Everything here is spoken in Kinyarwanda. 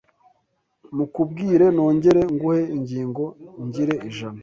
Mukubwire nongere Nguhe ingingo ngire ijana